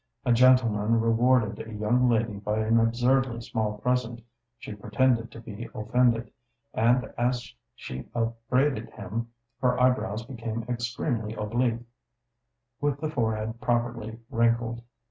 A gentleman rewarded a young lady by an absurdly small present; she pretended to be offended, and as she upbraided him, her eyebrows became extremely oblique, with the forehead properly wrinkled.